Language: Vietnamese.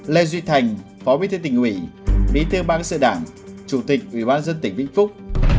lê duy thành phó bí tư tỉnh ủy bí tư ban các sự đảng chủ tịch ủy ban dân tỉnh vĩnh phúc